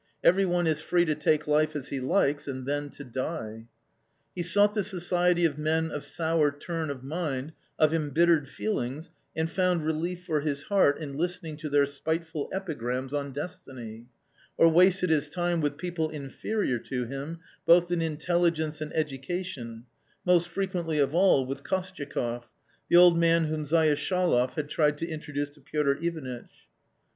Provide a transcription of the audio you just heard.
" Every one is free to take life as he likes, and then to die." He sought the society of men of sour turn of mind, of embittered feelings, and found relief for his heart in listening to their spiteful epigrams on destiny ; or wasted his time with people inferior to him both in intelligence and educa tion, most frequently of all with Kostyakoff, the old man whom Zayeshaloff had tried to introduce to riotr Ivanitch.